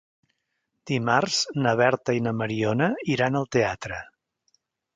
Dimarts na Berta i na Mariona iran al teatre.